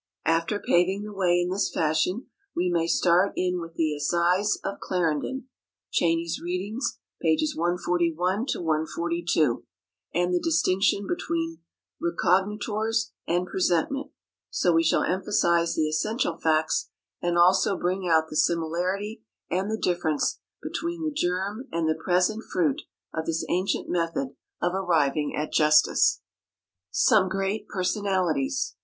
After paving the way in this fashion, we may start in with the Assize of Clarendon. (Cheyney's "Readings" pp. 141 142) and the distinction between recognitors and presentment, so we shall emphasize the essential facts, and also bring out both the similarity and the difference between the germ and the present fruit of this ancient method of arriving at justice. Some Great Personalities.